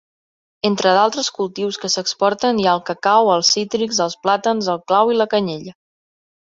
Entre d'altres cultius que s'exporten hi ha el cacau, els cítrics, els plàtans, el clau i la canyella.